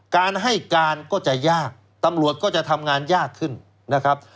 การให้การก็จะยากตำรวจก็จะทำงานยากขึ้นนะครับ